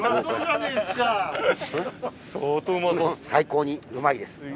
最高にうまいです。